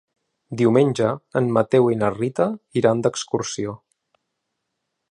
Diumenge en Mateu i na Rita iran d'excursió.